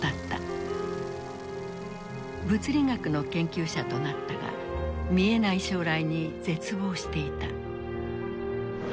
物理学の研究者となったが見えない将来に絶望していた。